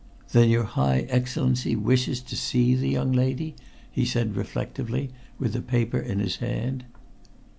"Then your high Excellency wishes to see the young lady?" he said reflectively, with the paper in his hand.